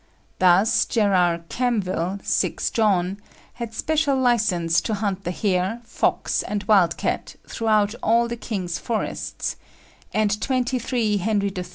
Thus, Gerard Camvile, 6 John, had special licence to hunt the hare, fox, and wild cat, throughout all the King's forests; and 23 Henry III.